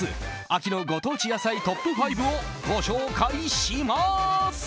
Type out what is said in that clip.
秋のご当地野菜トップ５をご紹介します！